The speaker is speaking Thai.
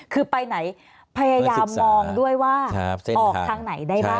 คือไปไหนพยายามมองด้วยว่าออกทางไหนได้บ้าง